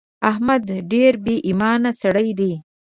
احمد ډېر بې ايمانه سړی دی.